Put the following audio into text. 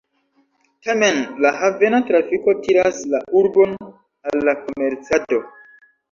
Tamen la havena trafiko tiras la urbon al la komercado.